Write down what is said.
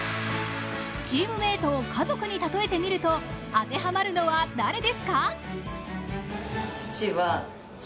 チームメートを家族に例えてみると当てはまるのは誰ですか？